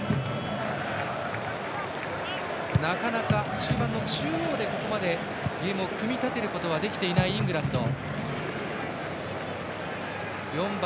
なかなか中盤の中央でここまでゲームを組み立てることができていないイングランド。